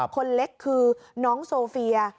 คนเล็กคือน้องโซเฟีย